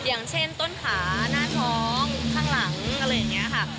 อย่างเช่นต้นขาหน้าท้องข้างหลังอะไรอย่างนี้ค่ะ